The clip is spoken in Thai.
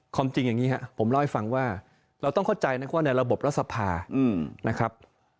จริงอย่างนี้ครับผมเล่าให้ฟังว่าเราต้องเข้าใจนะว่าในระบบรัฐสภานะครับ